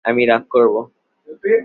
আমি রাগ করব!